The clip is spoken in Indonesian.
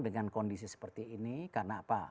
dengan kondisi seperti ini karena apa